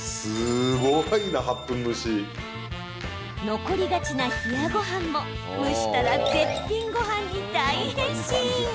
残りがちな冷やごはんも蒸したら絶品ごはんに大変身。